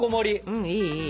うんいいいい！